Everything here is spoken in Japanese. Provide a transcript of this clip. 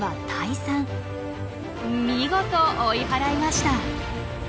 見事追い払いました。